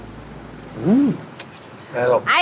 อืมได้รึเปล่า